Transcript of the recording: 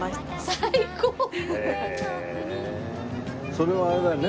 それはあれだよね。